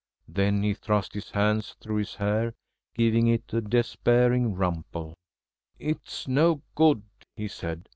Then he thrust his hands through his hair, giving it a despairing rumple. "It's no good," he said.